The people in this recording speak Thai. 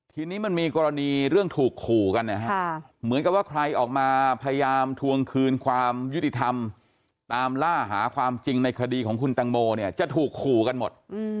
ทีนี้มันมีกรณีเรื่องถูกขู่กันนะฮะเหมือนกับว่าใครออกมาพยายามทวงคืนความยุติธรรมตามล่าหาความจริงในคดีของคุณตังโมเนี่ยจะถูกขู่กันหมด